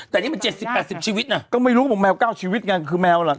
แต่นี่มันเจ็ดสิบแปดสิบชีวิตน่ะก็ไม่รู้ว่าบอกแมวก้าวชีวิตไงคือแมวล่ะ